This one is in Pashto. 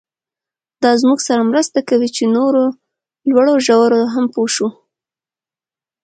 دا زموږ سره مرسته کوي چې نورو لوړو ژورو هم پوه شو.